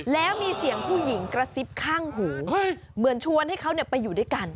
แล้วมีเสียงผู้หญิงกระซิบข้างหูเหมือนชวนให้เขาไปอยู่ด้วยกัน